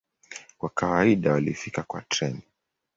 Kwa kawaida walifika kwa treni.